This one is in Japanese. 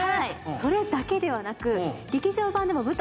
それだけではなく。